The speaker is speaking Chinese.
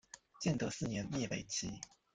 建德四年灭北齐。